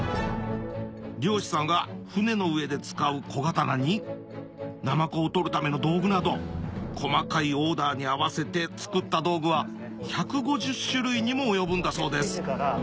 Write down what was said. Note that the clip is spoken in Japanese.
漁師さんが船の上で使う小刀にナマコを取るための道具など細かいオーダーに合わせて作った道具は１５０種類にも及ぶんだそうです